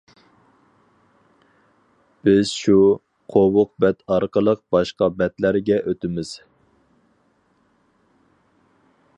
بىز شۇ قوۋۇق بەت ئارقىلىق باشقا بەتلەرگە ئۆتىمىز.